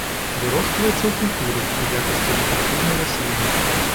Вырошчваецца ў культуры ў якасці дэкаратыўнай расліны.